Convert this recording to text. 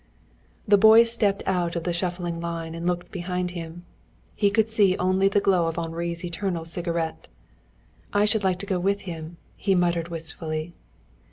The boy stepped out of the shuffling line and looked behind him. He could see only the glow of Henri's eternal cigarette. "I should like to go with him," he muttered wistfully.